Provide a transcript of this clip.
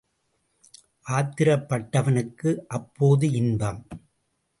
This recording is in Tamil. ஆத்திரப் பட்டவனுக்கு அப்போது இன்பம்.